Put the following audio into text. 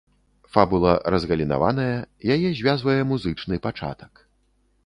Фабула разгалінаваная, яе звязвае музычны пачатак.